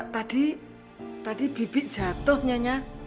tadi tadi bibit jatuh nyonya